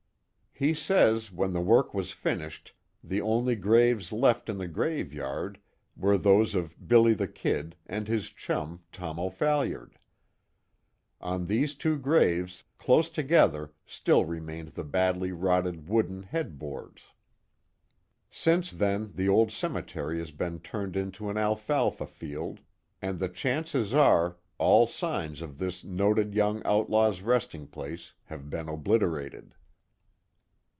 He says, when the work was finished, the only graves left in the grave yard, were those of "Billy the Kid" and his chum, Tom O'Phalliard. On these two graves, close together, still remained the badly rotted wooden head boards. Since then the old cemetery has been turned into an alfalfa field, and the chances are, all signs of this noted young outlaw's resting place have been obliterated.